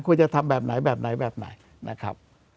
ควรจะทำแบบไหนแบบไหนแบบไหนนะครับ